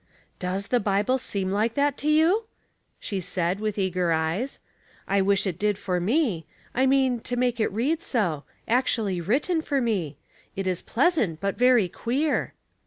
" Does the Bible seem like that to you ?" she said, with eager eyes. " I wish it did to me. I mean to make it read so. Actually written for me ! It is pleasant, but very queer."